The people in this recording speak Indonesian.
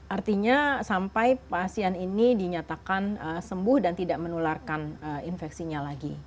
artinya sampai pasien ini dinyatakan sembuh dan tidak menularkan infeksinya lagi